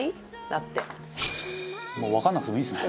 「もうわかんなくてもいいですね」